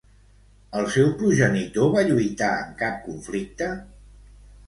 El seu progenitor va lluitar en cap conflicte?